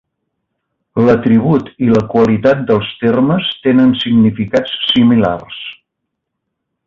L'atribut i la qualitat dels termes tenen significats similars.